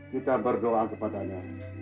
kita berdoa kepadanya